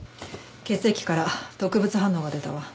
血液から毒物反応が出たわ。